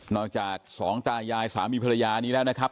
จากสองตายายสามีภรรยานี้แล้วนะครับ